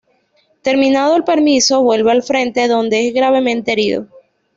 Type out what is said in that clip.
Terminado el permiso vuelve al frente, donde es gravemente herido.